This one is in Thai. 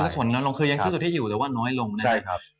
ซื้อส่วนที่น้อยลงคือยังซื้อสุดที่อยู่แต่ว่าน้อยลงนะครับ